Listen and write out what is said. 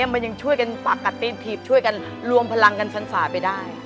มันยังช่วยกันปกติถีบช่วยกันรวมพลังกันสันไปได้